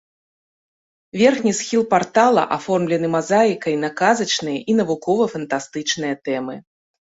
Верхні схіл партала аформлены мазаікай на казачныя і навукова-фантастычныя тэмы.